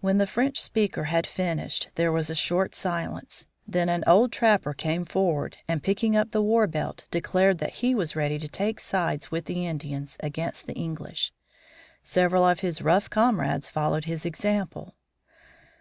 When the French speaker had finished, there was a short silence. Then an old trapper came forward, and, picking up the war belt, declared that he was ready to take sides with the Indians against the English. Several of his rough comrades followed his example.